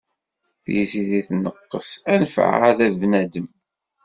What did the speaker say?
Tiziri tneqqes, anef ɛad a bnadem.